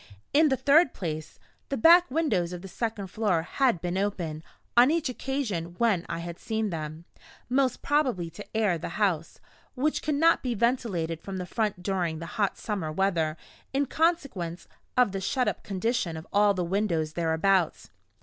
In the third place, the back windows of the second floor had been open, on each occasion when I had seen them most probably to air the house, which could not be ventilated from the front during the hot summer weather, in consequence of the shut up condition of all the windows thereabouts.